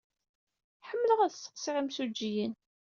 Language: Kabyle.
Ḥemmleɣ ad sseqsiɣ imsujjiyen.